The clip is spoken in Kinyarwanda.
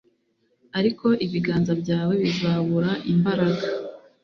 ariko ibiganza byawe bizabura imbaraga